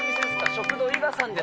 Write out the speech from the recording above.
食堂、伊賀さんです。